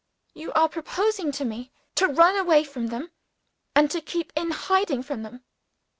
"You are proposing to me to run away from them, and to keep in hiding from them!"